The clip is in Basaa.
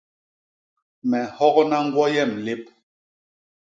Me nhogna ñgwo yem lép.